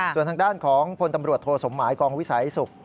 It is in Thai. ส่วนทางด้านของทศศมมกองวิสัยศุข